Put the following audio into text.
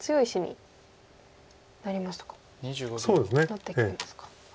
なってきてますか。